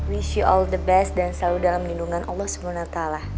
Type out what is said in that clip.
wish you all the best dan selalu dalam lindungan allah sebelum natalah